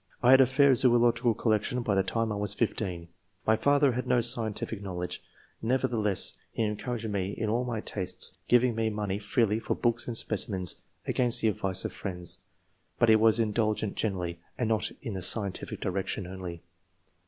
I had a fair zoological collection by the time I was 15. My father had no scientific knowledge ; nevertheless, he encouraged me in all my tastes, giving me III.] OBIGIN OF TASTE FOB 8CIENCK 167 money freely for books and specimens, against the advice of friends ; but he was indulgent generally, and not in the scientific direction only."